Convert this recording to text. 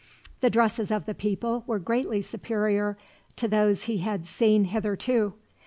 The dresses of the people were greatly superior to those he had seen hitherto.